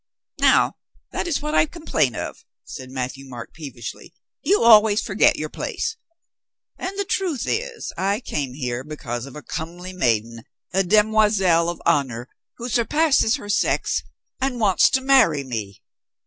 "Now, that is what I complain of," said Mat thieu Marc peevishly. "You always forget your place. And the truth is I came here because of a 453 454 COLONEL GREATHEART comely maiden, a demoiselle of honor, who sur passes her sex, and wants to marry me.